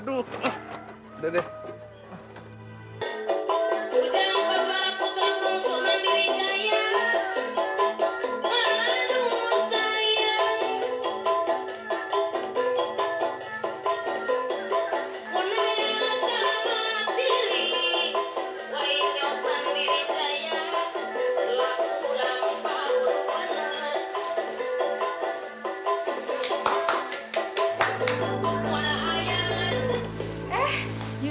munai yang selamat diri